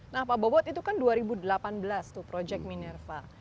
nah pak bobot itu kan dua ribu delapan belas tuh project minerva